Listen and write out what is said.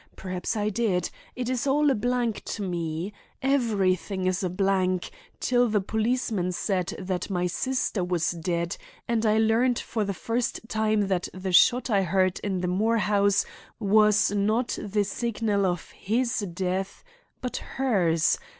Perhaps I did; it is all a blank to me—everything is a blank till the policeman said that my sister was dead and I learned for the first time that the shot I had heard in the Moore house was not the signal of his death, but hers.